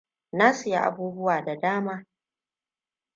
Na siya abubuwa da dama.